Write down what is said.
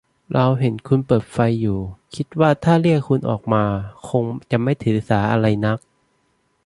เราเห็นคุณเปิดไฟอยู่ คิดว่าถ้าเรียกคุณออกมาคงจะไม่ถือสาอะไรนัก